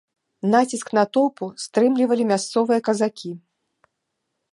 Націск натоўпу стрымлівалі мясцовыя казакі.